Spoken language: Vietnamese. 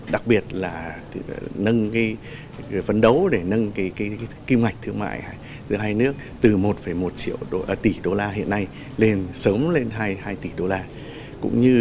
đặc biệt là phấn đấu để nâng kim ngạch thương mại giữa hai nước